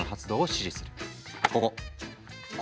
ここ！